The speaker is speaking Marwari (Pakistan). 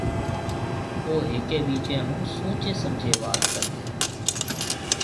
او هيَڪي ٻِيجيَ هون سوچيَ سمجهيََ وات ڪريَ هيَ۔